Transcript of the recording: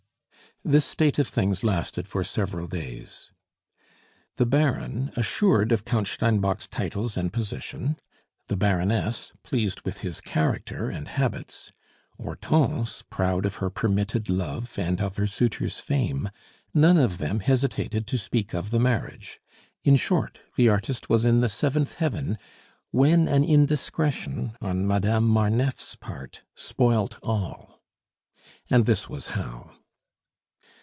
This state of things lasted for several days. The Baron, assured of Count Steinbock's titles and position; the Baroness, pleased with his character and habits; Hortense, proud of her permitted love and of her suitor's fame, none of them hesitated to speak of the marriage; in short, the artist was in the seventh heaven, when an indiscretion on Madame Marneffe's part spoilt all. And this was how.